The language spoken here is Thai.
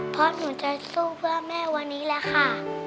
เพราะหนูจะสู้เพื่อแม่วันนี้แหละค่ะ